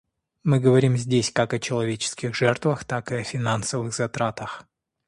Мы говорим здесь как о человеческих жертвах, так и о финансовых затратах.